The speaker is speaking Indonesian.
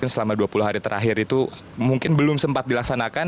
selama dua puluh hari terakhir itu mungkin belum sempat dilaksanakan